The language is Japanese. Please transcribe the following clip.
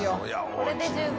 これで十分。